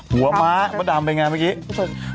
หัวม้าว่าดำเป็นยังไงเมื่อกี้